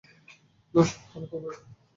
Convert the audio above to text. না, আমি খুবই বিরক্ত।